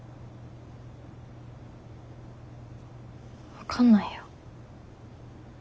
分かんないよ。